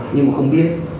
nhưng mà không biết